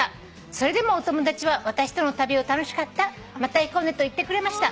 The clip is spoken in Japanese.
「それでもお友達は私との旅を『楽しかったまた行こうね』と言ってくれました。